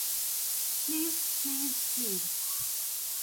Please, please, please!